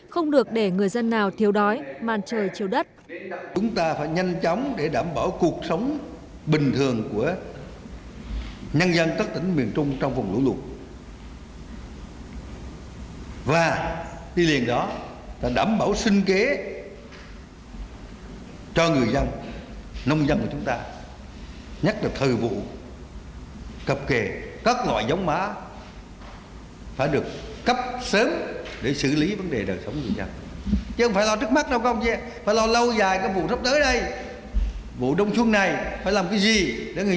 không được để người dân nào thiếu đói màn trời chiều đất